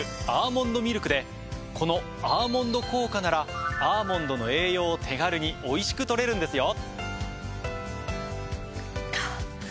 この「アーモンド効果」ならアーモンドの栄養を手軽においしく取れるんですよ。